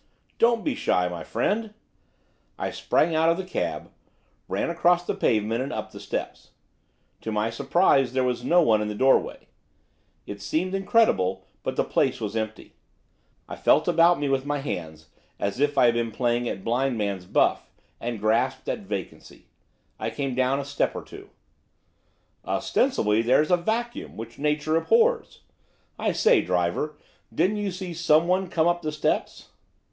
'Don't be shy, my friend!' I sprang out of the cab, ran across the pavement, and up the steps. To my surprise, there was no one in the doorway. It seemed incredible, but the place was empty. I felt about me with my hands, as if I had been playing at blind man's buff, and grasped at vacancy. I came down a step or two. 'Ostensibly, there's a vacuum, which nature abhors. I say, driver, didn't you see someone come up the steps?